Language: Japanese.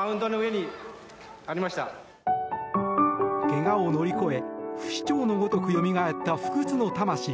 怪我を乗り越え不死鳥のごとくよみがえった不屈の魂。